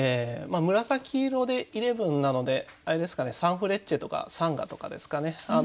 「紫色」で「イレブン」なのであれですかねサンフレッチェとかサンガとかですかね。